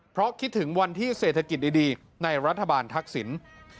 เพราะคิดถึงวันที่เศรษฐกิจดีในรัฐบาลทักษิณ